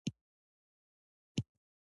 کلي د افغانستان د ځمکې د جوړښت نښه ده.